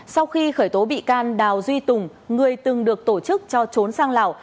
sau khi khởi tố bị can đào duy tùng người từng được tổ chức cho trốn sang lào